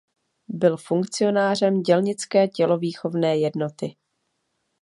Byl funkcionářem Dělnické tělovýchovné jednoty.